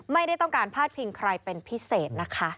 ไม่ได้ต้องการพาดพิงใครเป็นพิเศษนะคะ